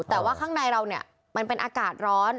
แต่ว่าข้างในเราเนี่ยมันเป็นอากาศร้อน